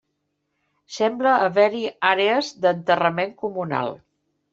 Sembla haver-hi àrees d'enterrament comunal.